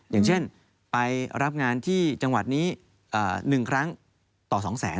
อย่างเช่นไปรับงานที่จังหวัดนี้๑ครั้งต่อ๒แสน